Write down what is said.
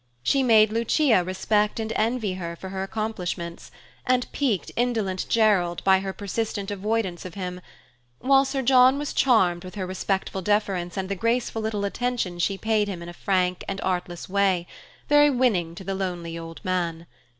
She made Lucia respect and envy her for her accomplishments, and piqued indolent Gerald by her persistent avoidance of him, while Sir John was charmed with her respectful deference and the graceful little attentions she paid him in a frank and artless way, very winning to the lonely old man.